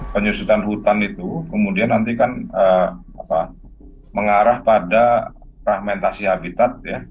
penyusutan hutan itu kemudian nanti kan mengarah pada fragmentasi habitat